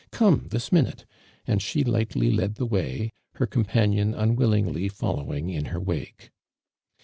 ••Come this minute !'■ and sjie lightly led the way, her companion luiwillingly fol lowing in her wake.